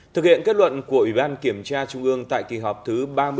thực hiện kết luận của ủy ban kiểm tra trung ương tại kỳ họp thứ ba mươi